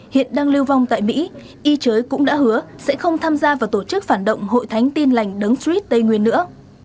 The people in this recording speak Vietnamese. hiện đang lưu vong tại mỹ y chới cũng đã hứa sẽ không tham gia vào tổ chức phản động hội thánh tin lành đấng street tây nguyên nữa